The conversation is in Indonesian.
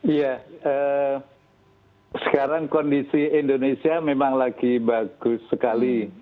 iya sekarang kondisi indonesia memang lagi bagus sekali